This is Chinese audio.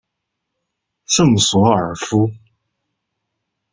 圣索尔夫。